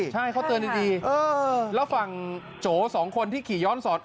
ใช่เขาเตือนดีแล้วฝั่งโจสองคนที่ขี่ย้อนสอน